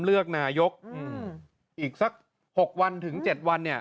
เลือกนายกอีกสัก๖วันถึง๗วันเนี่ย